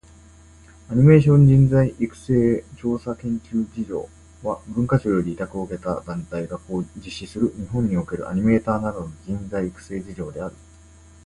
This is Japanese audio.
アニメーション人材育成調査研究事業（アニメーションじんざいいくせいちょうさけんきゅうじぎょう）は、文化庁より委託を受けた団体（後述）が実施する、日本におけるアニメーター等の人材育成事業である。